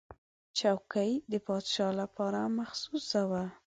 چوکۍ د پاچا لپاره مخصوصه وه.